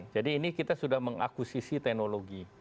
jadi ini kita sudah mengakusisi teknologi